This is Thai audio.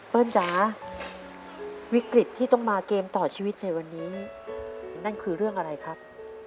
จ๋าวิกฤตที่ต้องมาเกมต่อชีวิตในวันนี้นั่นคือเรื่องอะไรครับ